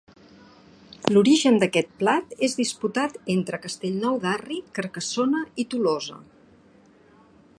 L'origen d'aquest plat és disputat entre Castellnou d'Arri, Carcassona i Tolosa.